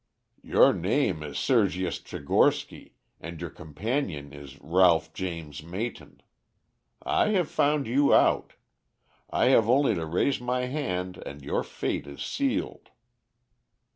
'Your name is Sergius Tchigorsky, and your companion is Ralph James Mayton. I have found you out. I have only to raise my hand and your fate is sealed.'